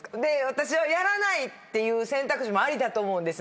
私はやらないっていう選択肢もありだと思うんですね。